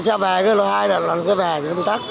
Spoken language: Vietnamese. cái xe về cái lỗ hai đoạn xe về thì nó bị tắc